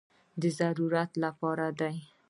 د ضرورت لپاره دي.